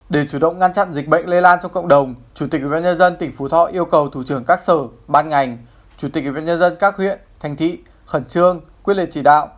để chủ động ngăn chặn dịch bệnh lây lan trong cộng đồng chủ tịch ubnd tỉnh phú thọ yêu cầu thủ trưởng các sở ban ngành chủ tịch ubnd các huyện thành thị khẩn trương quyết liệt chỉ đạo